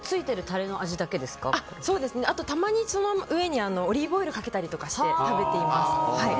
あと、たまにその上にオリーブオイルをかけたりして食べています。